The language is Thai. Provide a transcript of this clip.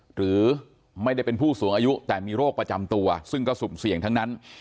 หรือไม่ได้เป็นผู้สูงอายุแต่มีโรคประจำตัวซึ่งก็สุ่มเสี่ยงทั้งนั้น